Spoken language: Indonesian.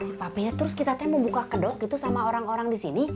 si papinya terus kita teh membuka kedok gitu sama orang orang disini